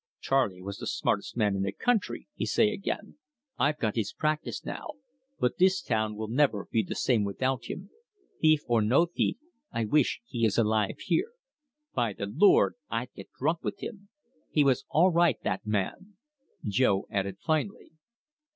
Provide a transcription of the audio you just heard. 'Charley was the smartes' man in the country,' he say again. 'I've got his practice now, but this town will never be the same without him. Thief or no thief, I wish he is alive here. By the Lord, I'd get drunk with him!' He was all right, that man," Jo added finally.